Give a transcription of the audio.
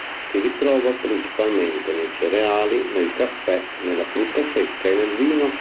Si ritrova principalmente nei cereali, nel caffè, nella frutta secca e nel vino.